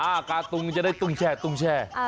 อ่ะตรงจะได้ตุ้งแช